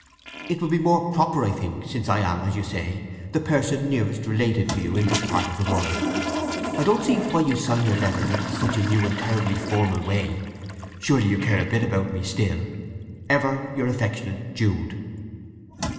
It would be more proper, I think, since I am, as you say, the person nearest related to you in this part of the world. I don't see why you sign your letter in such a new and terribly formal way? Surely you care a bit about me still!—Ever your affectionate, JUDE.